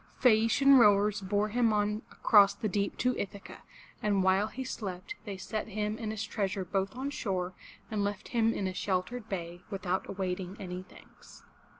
Phae a'ci an rowers bore him on across the deep to Ithaca, and while he slept they set him and his treasure both on shore and left him in a sheltered bay, without awaiting any thanks.